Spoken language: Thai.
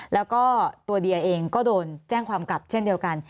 แล้วก็ตัวเดียเองก็โดนแจ้งความกลับเช่นเดียวกัน